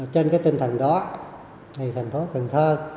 trên cái tinh thần đó thành phố cần thơ